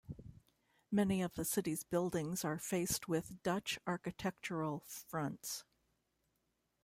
Many of the city's buildings are faced with Dutch architectural fronts.